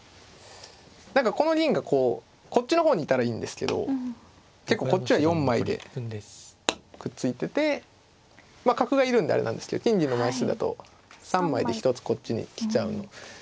何かこの銀がこうこっちの方にいたらいいんですけど結構こっちは４枚でくっついてて角がいるんであれなんですけど金銀の枚数だと３枚で一つこっちに来ちゃうので。